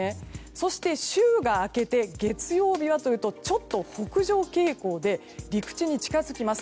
そして、週が明けて月曜日はというとちょっと北上傾向で陸地に近づきます。